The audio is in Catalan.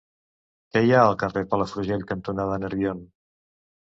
Què hi ha al carrer Palafrugell cantonada Nerbion?